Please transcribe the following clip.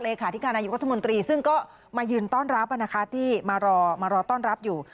เลขาธิการรัฐมนตรีซึ่งก็มายืนต้อนรับนะคะที่มารอต้อนรับอยู่